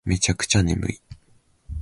めちゃくちゃ眠い